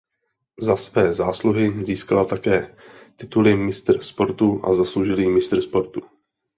Za své zásluhy získala také tituly Mistr sportu a Zasloužilý mistr sportu.